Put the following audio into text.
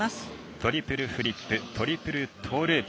トリプルフリップトリプルトーループ。